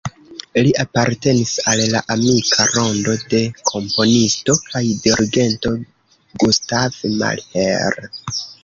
Li apartenis al la amika rondo de komponisto kaj dirigento Gustav Mahler.